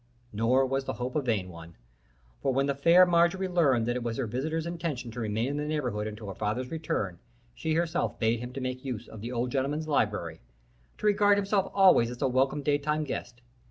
Nor was the hope a vain one, for when the fair Marjorie learned that it was the visitor's intention to remain in the neighborhood until her father's return, she herself bade him to make use of the old gentleman's library, to regard himself always as a welcome daytime guest.